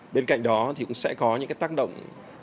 bên cạnh đó thì cũng sẽ có những cái tác động